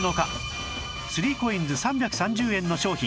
３ＣＯＩＮＳ３３０ 円の商品